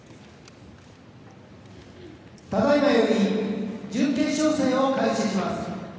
ただいまより準決勝戦を開始します。